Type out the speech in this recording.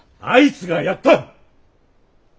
あいつが殺った。